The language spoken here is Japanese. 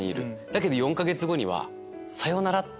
だけど４か月後にはさよなら。